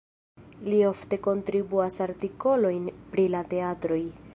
Li ofte kontribuas artikolojn pri la teatroj.